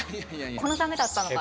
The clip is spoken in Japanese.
このためだったのかな？